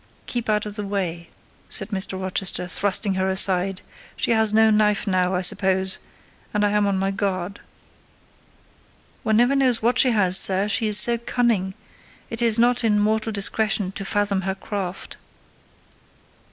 "Keep out of the way," said Mr. Rochester, thrusting her aside: "she has no knife now, I suppose, and I'm on my guard." "One never knows what she has, sir: she is so cunning: it is not in mortal discretion to fathom her craft."